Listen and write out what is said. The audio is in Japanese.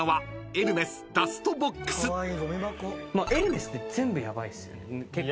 エルメスって全部ヤバいっすよね。